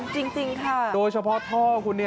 จริงค่ะโดยเฉพาะท่อคุณ